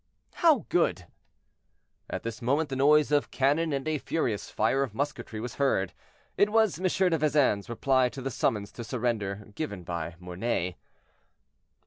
"How good?" At this moment the noise of cannon and a furious fire of musketry was heard; it was M. de Vezin's reply to the summons to surrender given by Mornay.